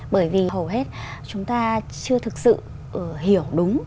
bởi vì hầu hết chúng ta chưa thực sự hiểu đúng